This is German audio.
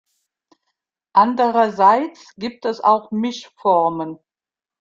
Andererseits gibt es auch Mischformen.